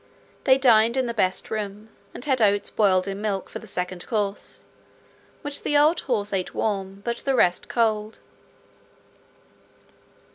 They dined in the best room, and had oats boiled in milk for the second course, which the old horse ate warm, but the rest cold.